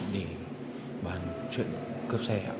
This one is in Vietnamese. để bàn chuyện cướp xe